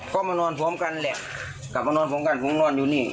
ก็มานอนพร้อมกันแหละกลับมานอนพร้อมกันผมนอนอยู่นี่